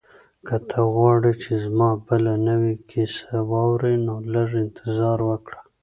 که ته غواړې چې زما بله نوې کیسه واورې نو لږ انتظار وکړه.